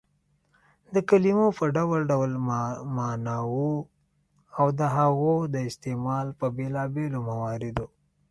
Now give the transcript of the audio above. د کلیمو په ډول ډول ماناوو او د هغو د استعمال په بېلابيلو مواردو